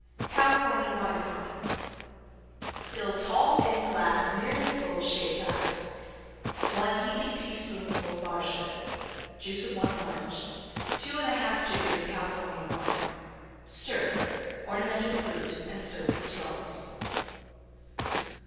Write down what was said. CALIFORNIA WINE COBBLER Fill tall, thin glass nearly full Shaved Ice. 1 heaping teaspoonful Bar Sugar. Juice of 1 Orange. 2 1/2 jiggers California Wine. Stir; ornament with Fruit and serve with Straws.